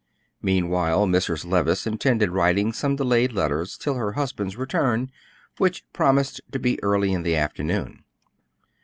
Meanwhile Mrs. Levice intended writing some delayed letters till her husband's return, which promised to be early in the afternoon.